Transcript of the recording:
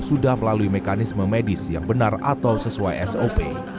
sudah melalui mekanisme medis yang benar atau sesuai sop